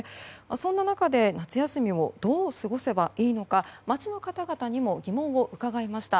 そんな中、夏休みをどう過ごせばいいか街の方々に疑問を伺いました。